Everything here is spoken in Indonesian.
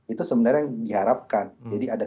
itu sebenarnya yang diharapkan jadi ada